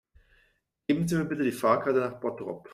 Geben Sie mir bitte die Fahrkarte nach Bottrop